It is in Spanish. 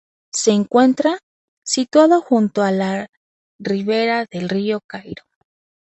Se encuentra situado junto a la ribera del río Carrión.